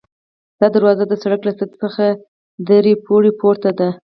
دا دروازه د سړک له سطحې څخه درې پوړۍ پورته ده.